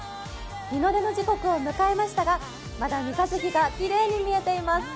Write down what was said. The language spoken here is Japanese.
日の出の時刻を迎えましたがまだ三日月がきれいに見えています。